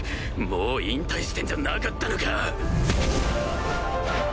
もう引退してんじゃなかったのか？